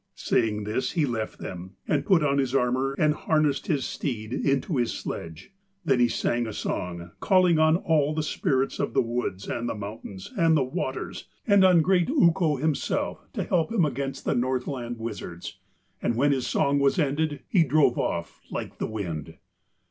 Saying this he left them and put on his armour and harnessed his steed into his sledge. Then he sang a song, calling on all the spirits of the woods and the mountains and the waters and on great Ukko himself to help him against the Northland wizards, and when his song was ended he drove off like the wind.